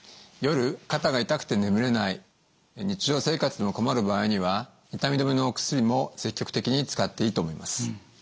夜肩が痛くて眠れない日常生活も困る場合には痛み止めのお薬も積極的に使っていいと思います。